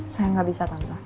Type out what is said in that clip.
saya gak bisa tante ya